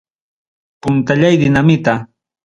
Puntallay dinamita.